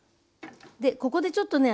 でここでちょっとね